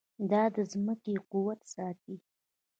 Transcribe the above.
دا د ځمکې قوت ساتي.